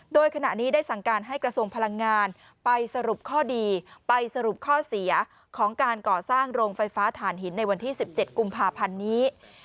โดยขณะนี้ได้สั่งการให้กระทรวงพลังงานไปสรุปข้อดีไปสรุปข้อเสียของการก่อสร้างโรงไฟฟ้าฐานหินในวันที่๑๗กุมภาพันธ์นี้